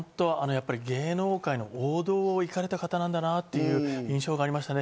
芸能界の王道を行かれた方なんだなという印象がありましたね。